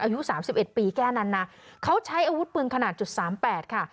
อายุสามสิบเอ็ดปีแค่นั้นนะเขาใช้อาวุธปืนขนาดจุดสามแปดค่ะ